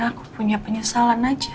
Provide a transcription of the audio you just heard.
aku punya penyesalan aja